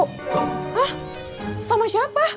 hah sama siapa